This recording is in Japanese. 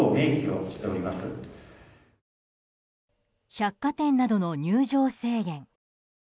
百貨店などの入場制限。